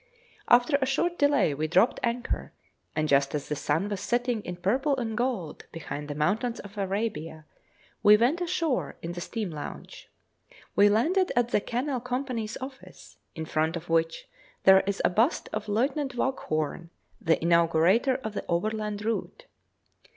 After a short delay we dropped anchor, and just as the sun was setting in 'purple and gold' behind the mountains of Arabia, we went ashore in the steam launch. We landed at the Canal Company's Office, in front of which there is a bust of Lieutenant Waghorn, the inaugurator of the overland route.